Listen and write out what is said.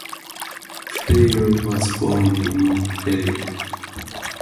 Ferrier was born in Montpellier.